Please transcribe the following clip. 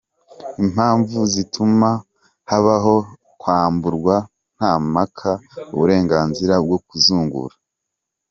Impamvu zituma habaho kwamburwa nta mpaka uburenganzira bwo kuzungura.